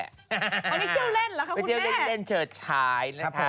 ไปเล่นเที่ยวเจิดชาย